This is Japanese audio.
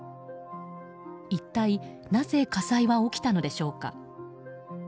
一体、なぜ火災は起きたのでしょうか。